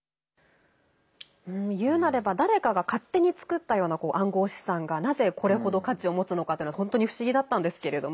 言うなれば誰かが勝手に作ったような暗号資産がなぜ、これほど価値を持つのかというのは本当に不思議だったんですけれども。